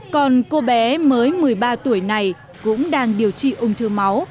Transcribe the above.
còn cô bé mới một mươi ba tuổi này cũng đang điều trị ung thư máu